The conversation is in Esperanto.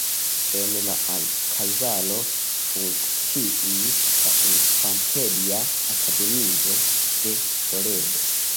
En la alkazaro funkciis la Infanteria Akademio de Toledo.